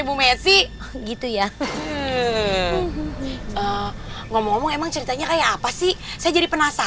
bu messi gitu ya ngomong ngomong emang ceritanya kayak apa sih saya jadi penasaran